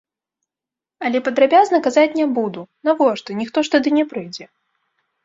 Але падрабязна казаць не буду, навошта, ніхто ж тады не прыйдзе.